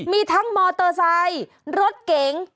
มีทั้งมอเตอร์ไซค์รถเก๋ง